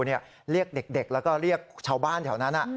เรียกเด็กแล้วก็เรียกชาวบ้านแถวนั้น